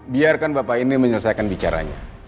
biarkan bapak ini menyelesaikan bicaranya